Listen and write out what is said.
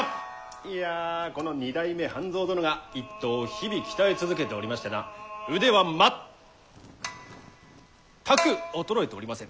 いやこの２代目半蔵殿が一党を日々鍛え続けておりましてな腕は全く衰えておりません。